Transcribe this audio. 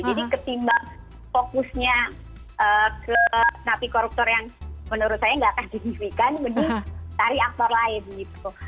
jadi ketimbang fokusnya ke napi koruptor yang menurut saya nggak akan dihibikan mending tari aktor lain gitu